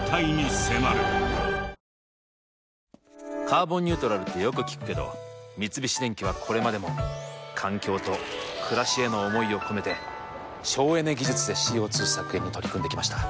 「カーボンニュートラル」ってよく聞くけど三菱電機はこれまでも環境と暮らしへの思いを込めて省エネ技術でＣＯ２削減に取り組んできました。